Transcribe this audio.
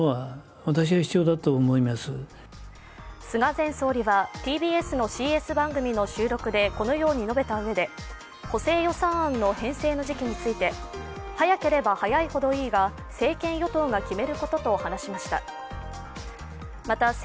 菅前総理はＴＢＳのＣＳ番組の収録でこのように述べたうえで補正予算案の編成の時期について早ければ早いほどいいが政権与党が決めることと話しました。